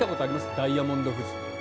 ダイヤモンド富士。